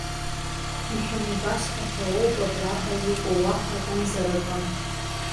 Мшәан, ибасҳәахьоу ауп абра иҟоу, уаҳа акымзарак!